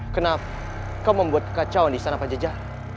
kenapa kau membuat kecacauan disana panja jarah